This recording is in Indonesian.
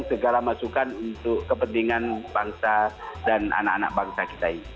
segala masukan untuk kepentingan bangsa dan anak anak bangsa kita ini